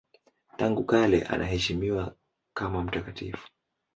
Tangu kale anaheshimiwa kama mtakatifu.